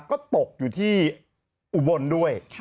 ก็ตกอยู่ที่อุบลด้วย